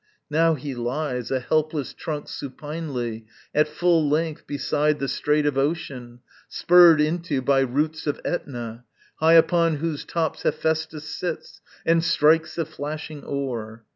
Now he lies A helpless trunk supinely, at full length Beside the strait of ocean, spurred into By roots of Ætna; high upon whose tops Hephæstus sits and strikes the flashing ore.